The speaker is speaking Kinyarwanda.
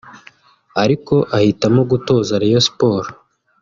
ariko ahitamo gutoza Rayon Sports